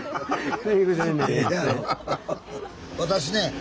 私ね